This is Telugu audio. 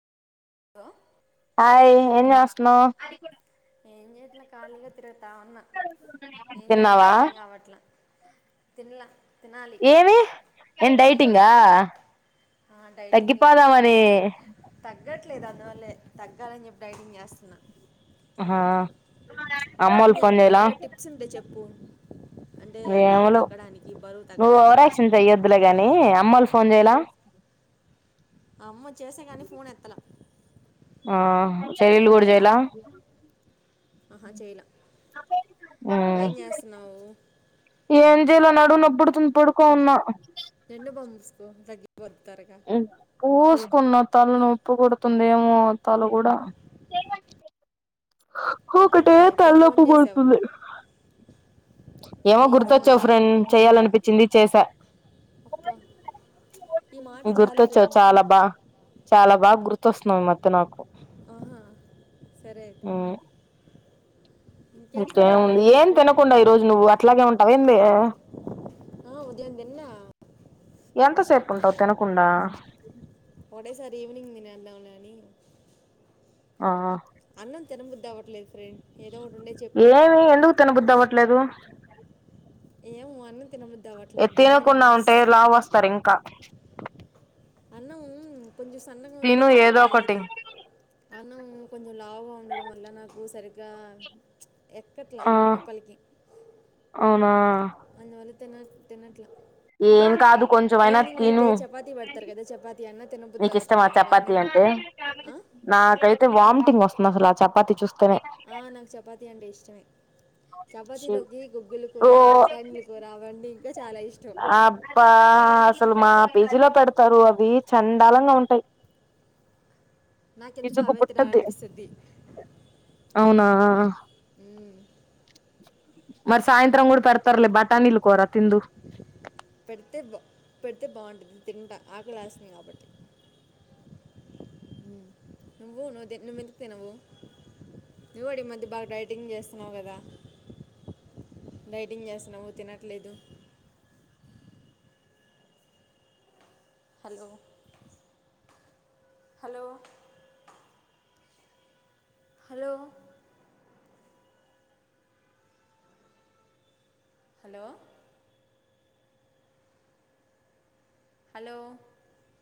హలో. అయ్ ఎం జెస్తన్నావ్. ఏం చేయట్లే ఖాళీగా తిరుగుతా ఉన్నా ఏం జేయాలో తిన్నావా అర్థం కావట్లే. తినళ్ల తినాలి. ఏమి డైటింగ ఆ, డైటింగే తగ్గిపోదామని తగ్గట్లేదు అందువల్లే తగ్గాలని చెప్పి డైటింగ్ చేస్తున్నా ఆ అమ్మోలు ఫోన్ చేయలా క్స్ంటే చెప్పు అంటే లావు ఏమోలే తగ్గడానికి బరువు తగ్గడానికి దులే గాని అమ్మో లు ఫోన్ చేయాల అమ్మ చేసా కానీ ఫోన్ ఎత్తల ఆ చెలెలు గుడ చేయల ఆహా చెయలా మ్మ్ నువ్వేం చేస్తున్నావు ఏం చేయలే నడుము నొప్పుడుతుంది పడుకో వున్నా జండు బామ్ పుస్కో తగ్గిపోతుంది త్వరగా పూసుకున్న తలునోప్పు కొడుతుంది ఏమో తల కూడా హ ఒకటే అదిలా ఇప్పుడు ఫోన్ చేసావు తలనొప్పుడుతుంది ఏమో ఏం గుర్తొచ్చావు సంగతులు ఫ్రెండ్ చెయాలనిపించింది చేసా అప్పా ఈ మాట చాలు గుర్తొచ్చా ఫ్రెండ్ చాలా బా చాలా బాగా గుర్తొస్తున్నావు ఈ మధ్య నాకు ఆహా సరే ఐతే ఆ ఇంకేం సంగతులు ఇంకేముంది ఏం చెప్పు తినకుండా ఈ రోజు నువ్వు అట్లాగే ఉంటావ ఏంది ఆ ఉదయందిన్నా ఎంతసేపు ఉంటావు తినకుండా ఒకటే సారి ఈవెనింగ్ తినేదం లే అని ఆ అన్నం తినబుద్ది అవట్లేదు ఫ్రెండ్ ఏదో ఒకటి ఉండే చెప్పు ఏమి ఎందుకు తినబుద్ది అవ్వట్లేదు ఏమో అన్నం తినబుద్ది అవ్వట్ల ఏ గడ్డి తినకుండా ఉంటే తినలనిపిస్తు లావు వస్తారు ఇంకా అన్నం కొంచెం సన్నగా ఉండే తిను ఏదో ఒకటి తినబుద్దయ్యేది అన్నం కొంచెం లావుగా ఉండడం వల్ల నాకు సరిగ్గా ఎక్కట్లా ఆ లోపలికి అవునా అందువల్ల తిన తినట్ల ఏం కాదు కొంచెమైనా ఈవినింగ్ అయితే తిను చపాతి పేడుతు తరు కద చపాతి అన్న తినబుద్ధి నీకు ఇష్టమా అవుతుందేమో కానీ చపాతి అంటే ఆ? నాకైతే వామిటింగ్ వస్తుంది అసలు ఆ చపాతి చూస్తేనే ఆ నాకు చపాతి అంటే ఇష్టమే చపాతి లోకి గుగ్గులు కూర రో బటానిల్ రావండి ఇంకా చాలా ఇష్టం అబ్బా అసలు మా పీజీలో పెడతారు అవి చండాలంగా ఉంటాయి నాకెందుకు ఇసుకు అవే పుట్టద్ది తినలనిపిస్తుంది అవునా ఉ మరి సాయంత్రం కూడా పెడతారులే బటానీలు కోర తిందు పెడితే బా పెడితే బాగుంటుంది తింటా ఆకలేస్తుంది కాబట్టి నువ్వు నువ్ ఎందుకు తినవు నువ్వు నువ్వు కూడా ఈ మధ్య బాగా డైటింగ్ చేస్తున్నావు కదా డైటింగ్ చేస్తున్నావు తినట్లేదు hello hello hello hello hello